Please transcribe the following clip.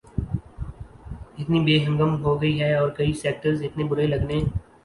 اتنی بے ہنگم ہو گئی ہے اور کئی سیکٹرز اتنے برے لگنے